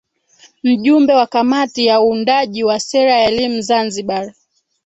Mjumbe wa Kamati ya Uundaji wa Sera ya Elimu Zanzibar